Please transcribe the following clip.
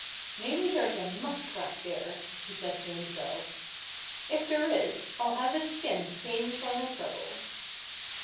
"Maybe there's a muskrat here," he said to himself. "If there is, I'll have his skin to pay me for my trouble."